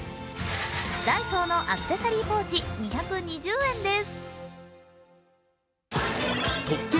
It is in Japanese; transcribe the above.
ダイソーのアクセサリーポーチ、２２０円です。